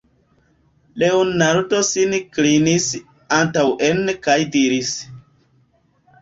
Leonardo sin klinis antaŭen kaj diris: